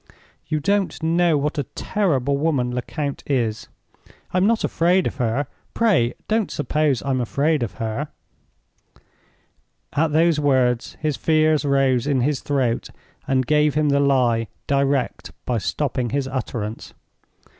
You don't know what a terrible woman Lecount is. I'm not afraid of her; pray don't suppose I'm afraid of her—" At those words his fears rose in his throat, and gave him the lie direct by stopping his utterance.